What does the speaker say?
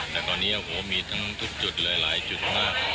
แต่ตอนนี้โอ้โหมีทั้งทุกจุดเลยหลายจุดมาก